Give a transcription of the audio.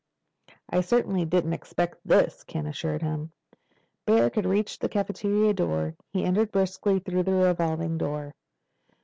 "I certainly didn't expect this," Ken assured him. Barrack had reached the cafeteria doorway. He entered briskly through the revolving door.